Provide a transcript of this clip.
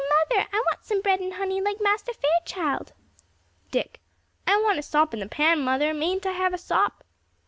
mother! I want some bread and honey, like Master Fairchild." Dick. "I want a sop in the pan, mother mayn't I have a sop?"